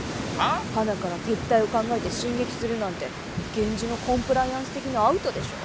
はなから撤退を考えて進撃するなんて源氏のコンプライアンス的にアウトでしょ。